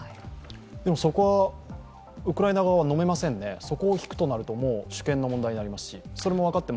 そこは、ウクライナ側はのめませんね、そこを引くとなると主権の問題になりますし、それも分かって